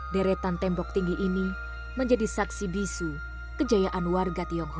deretan tembok tinggi ini menjadi saksi bisu kejayaan warga tionghoa